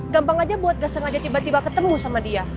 gampang aja buat gas sengaja tiba tiba ketemu sama dia